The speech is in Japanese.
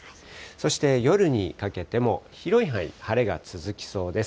そして、夜にかけても広い範囲、晴れが続きそうです。